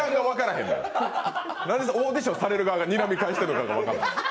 なんでオーディションされる側がにらみ返してるのか分からん。